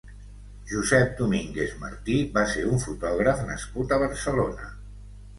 Josep Domínguez Martí va ser un fotògraf nascut a Barcelona.